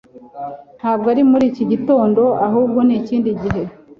Ntabwo ari muri iki gitondo ahubwo ni ikindi gihe